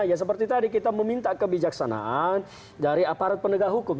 ya seperti tadi kita meminta kebijaksanaan dari aparat penegak hukum